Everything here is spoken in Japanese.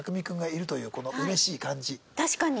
確かに。